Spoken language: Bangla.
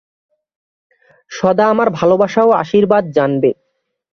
সদা আমার ভালবাসা ও আশীর্বাদ জানবে।